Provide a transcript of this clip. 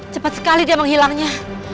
cepat sekali dia menghilangnya